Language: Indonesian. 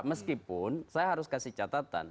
meskipun saya harus kasih catatan